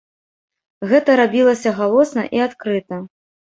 Гэта рабілася галосна і адкрыта.